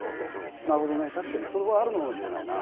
なるほど、確かにそれはあるかもしれないな。